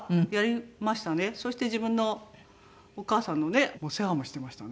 そして自分のお母さんのねお世話もしてましたね。